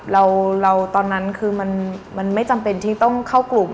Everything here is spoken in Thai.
เราตอนนั้นคือมันไม่จำเป็นที่ต้องเข้ากลุ่ม